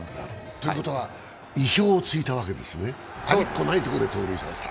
ということは意表を突いたってことですね、ありっこないということで盗塁させた。